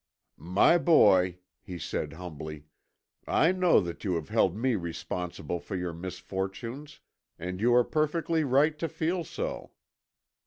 "My boy," he said humbly, "I know that you have held me responsible for your misfortunes. And you are perfectly right to feel so.